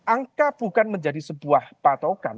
angka bukan menjadi sebuah patokan